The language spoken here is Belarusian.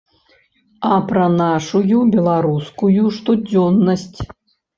А пра нашую, беларускую, штодзённасць.